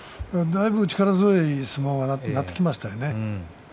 だいぶ力強い相撲になってきましたね。